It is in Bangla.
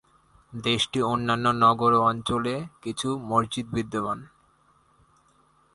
দেশটির অন্যান্য নগর ও অঞ্চলে কিছু মসজিদ বিদ্যমান।